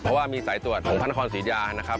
เพราะว่ามีสายตรวจของพระนครศรียานะครับ